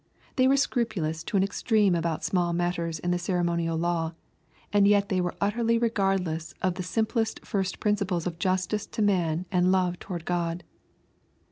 They were scrupulous to an extreme about small matters in the ceremonial law ; and yet they were utterly regardless of the sim plest first principles of justice to man and love toward God.